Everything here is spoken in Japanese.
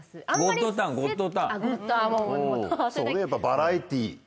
やっぱバラエティー。